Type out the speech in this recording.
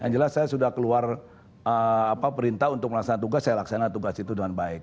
yang jelas saya sudah keluar perintah untuk melaksanakan tugas saya laksana tugas itu dengan baik